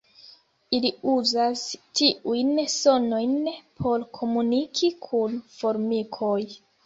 Ili uzas tiujn sonojn por komuniki kun formikoj.